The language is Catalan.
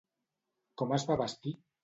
Com es va vestir?